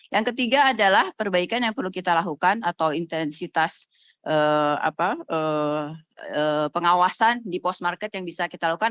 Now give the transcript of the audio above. yang ketiga adalah perbaikan yang perlu kita lakukan atau intensitas pengawasan di post market yang bisa kita lakukan